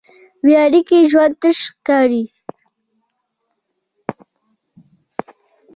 بېاړیکې ژوند تش ښکاري.